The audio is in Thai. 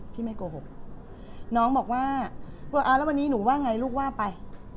พี่ไม่โกหกน้องบอกว่าอ่าแล้ววันนี้หนูว่าไงลูกว่าไป